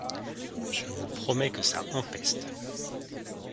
Je vous promets que ça empeste !